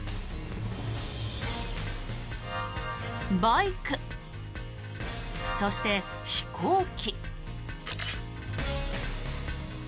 バイク、そして飛行機。